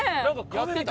やってた？